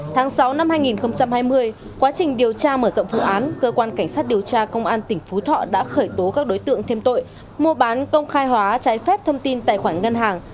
tháng sáu năm hai nghìn hai mươi quá trình điều tra mở rộng vụ án cơ quan cảnh sát điều tra công an tỉnh phú thọ đã khởi tố các đối tượng thêm tội mua bán công khai hóa trái phép thông tin tài khoản ngân hàng